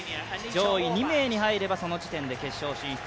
上位２名に入ればその時点で決勝進出。